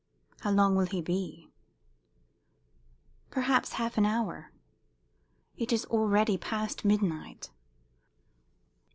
"How long will he be?" "Perhaps half an hour." "It is already past midnight."